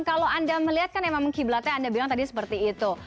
kalau anda melihat kan memang kiblatnya anda bilang tadi seperti itu